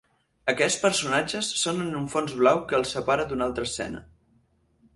Aquests personatges són en un fons blau que els separa d'una altra escena.